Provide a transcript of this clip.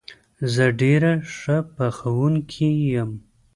زه ډېره ښه پخوونکې یم